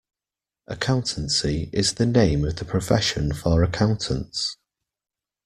Accountancy is the name of the profession for accountants